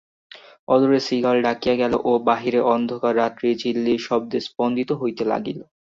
অদূরে শৃগাল ডাকিয়া গেল ও বাহিরে অন্ধকার রাত্রি ঝিল্লির শব্দে স্পন্দিত হইতে লাগিল।